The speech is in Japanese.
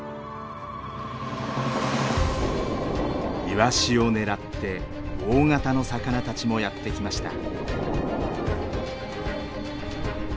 イワシを狙って大型の魚たちもやって来ました。